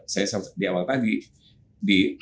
saya di awal tadi